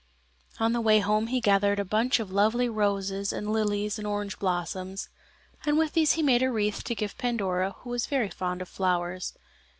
On the way home he gathered a bunch of lovely roses, and lilies, and orange blossoms, and with these he made a wreath to give Pandora, who was very fond of flowers.